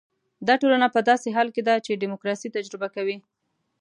دا ټولنه په داسې حال کې ده چې ډیموکراسي تجربه کوي.